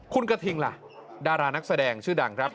คุณกระทิงล่ะดารานักแสดงชื่อดังครับ